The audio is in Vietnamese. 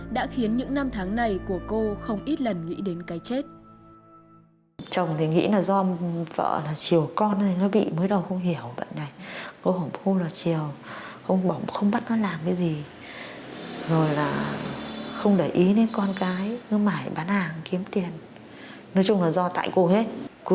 đã khiến những năm tháng này của cô không ít lần nghĩ đến cái chết